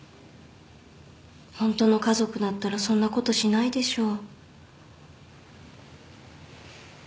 ホントの家族だったらそんなことしないでしょ。